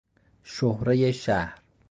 شهرهی شهر